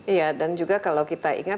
iya dan juga kalau kita ingat